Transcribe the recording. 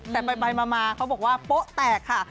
แต่ไปมาเขาบอกว่าโป๊ะแตกค่ะ